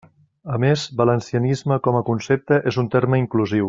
A més, valencianisme com a concepte és un terme inclusiu.